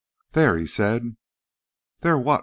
"There," he said. "There what?"